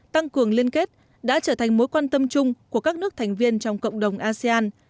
tăng cường liên kết đã trở thành mối quan tâm chung của các nước thành viên trong cộng đồng asean